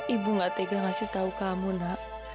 ibu gak tega ngasih tahu kamu nak